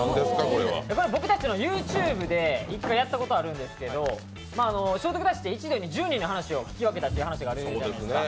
これ、僕たちのＹｏｕＴｕｂｅで一回やったことあるんですけど聖徳太子って一度に１０人の話を聞き分けたという話があるじゃないですか。